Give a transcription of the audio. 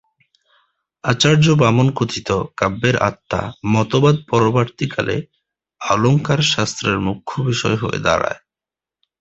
আচার্য বামন কথিত ‘কাব্যের আত্মা’ মতবাদ পরবর্তীকালে অলঙ্কারশাস্ত্রের মুখ্য বিষয় হয়ে দাঁড়ায়।